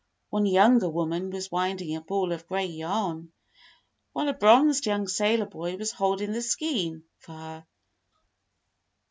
One younger woman was winding a ball of gray yarn, while a bronzed young sailor boy was holding the skein for her.